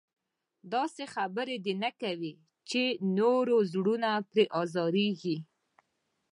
داسې خبره دې نه کوي چې نورو زړونه پرې ازارېږي.